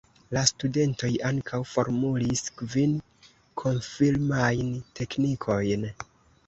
La studentoj ankaŭ formulis kvin "konfirmajn teknikojn".